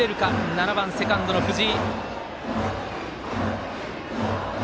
７番、セカンドの藤井。